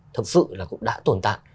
thật sự là cũng đã tồn tại